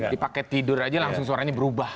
dipakai tidur aja langsung suaranya berubah